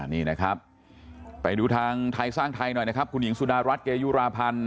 นี่นะครับไปดูทางไทยสร้างไทยหน่อยนะครับคุณหญิงสุดารัฐเกยุราพันธ์